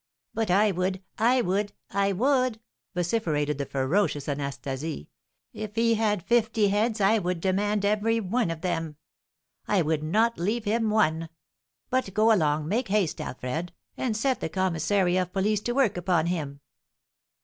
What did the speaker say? '" "But I would! I would! I would!" vociferated the ferocious Anastasie. "If he had fifty heads, I would demand every one of them! I would not leave him one! But go along; make haste, Alfred, and set the commissary of police to work upon him."